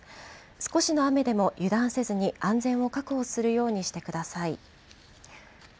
少しの雨でも、油断せずに、安全を確保するようにしてください。